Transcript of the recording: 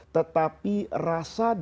tetapi rasa dan rasanya itu berbeda